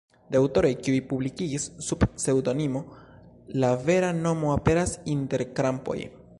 De aŭtoroj kiuj publikigis sub pseŭdonimo, la vera nomo aperas inter krampoj.